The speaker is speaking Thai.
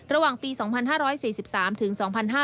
ระหว่างปี๒๕๔๓ถึง๒๕๕๙